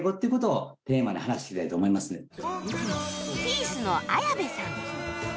ピースの綾部さん